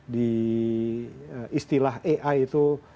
di istilah ai itu